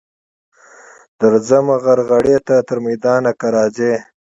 درځمه غرغړې ته تر میدانه که راځې.